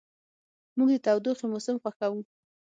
موږ د تودوخې موسم خوښوو.